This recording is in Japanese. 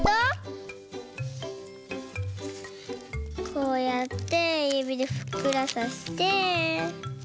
こうやってゆびでふっくらさせて。